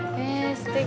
すてき